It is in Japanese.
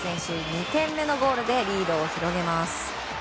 ２点目のゴールでリードを広げます。